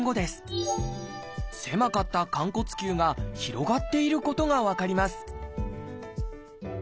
狭かった寛骨臼が広がっていることが分かります